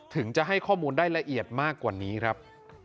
ถึงจะให้ข้อมูลได้ละเอียดมากกว่านี้ครับ